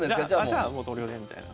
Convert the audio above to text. じゃあもう投了でみたいな。